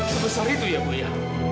sebesar itu ya bu ya